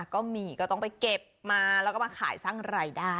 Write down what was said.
ก็มีก็ต้องไปเก็บมาแล้วก็มาขายสร้างรายได้